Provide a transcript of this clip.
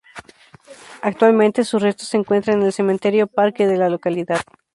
Actualmente sus restos se encuentran en el cementerio parque de la localidad.